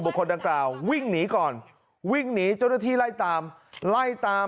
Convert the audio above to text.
อำเภอโพธาราม